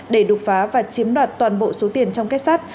để đục phá và chiếm đoạt toàn bộ số tiền trong kép sát